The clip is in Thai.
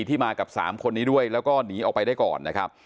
มากับ๓คนนี้ด้วยแล้วก็หนีออกไปได้ก่อนนะครับ